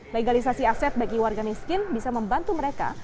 legalisasi aset bagi warga miskin bisa membantu mereka